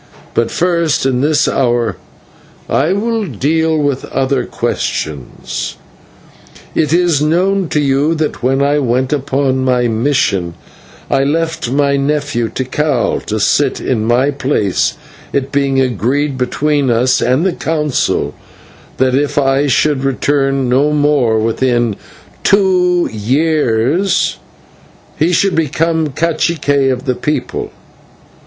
But first in this hour I will deal with other questions. "It is known to you that, when I went upon my mission, I left my nephew Tikal to sit in my place, it being agreed between us and the Council that if I should return no more within two years he should become /cacique/ of the people.